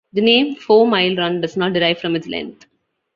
The name Four Mile Run does not derive from its length.